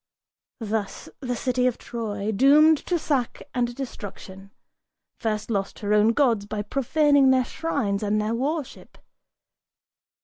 Thus the city of Troy, doomed to sack and destruction, First lost her own gods by profaning their shrines and their worship.